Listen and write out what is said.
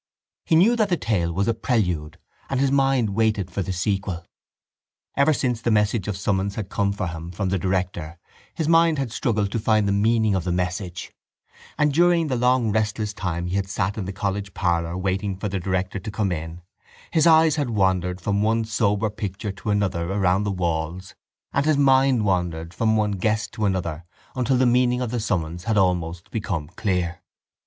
He knew that the tale was a prelude and his mind waited for the sequel. Ever since the message of summons had come for him from the director his mind had struggled to find the meaning of the message; and, during the long restless time he had sat in the college parlour waiting for the director to come in, his eyes had wandered from one sober picture to another around the walls and his mind wandered from one guess to another until the meaning of the summons had almost become clear.